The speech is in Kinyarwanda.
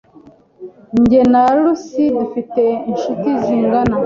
Jye na Lucy dufite inshuti zingana.